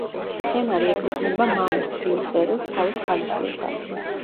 სცენარი ეფუძნება მამის თბილ წერილს თავის ქალიშვილთან.